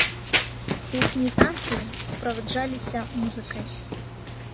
Песні і танцы суправаджаліся музыкай.